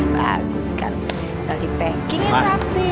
bagus kan udah dipakingin rapi